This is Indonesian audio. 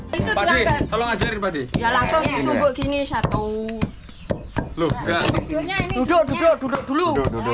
hai itu padi kalau ngajarin padi ya langsung ini satu duduk duduk duduk dulu